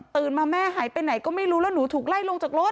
มาแม่หายไปไหนก็ไม่รู้แล้วหนูถูกไล่ลงจากรถ